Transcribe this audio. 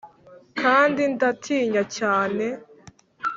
kandi, ndatinya cyane,